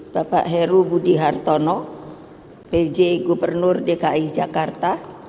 bapak heru budi hartono pj gubernur dki jakarta